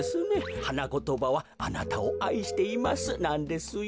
はなことばは「あなたをあいしています」なんですよ。